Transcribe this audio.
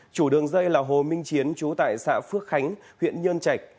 chủ đường dây là hồ minh chiến trú tại xã phước khánh huyện nhơn chạch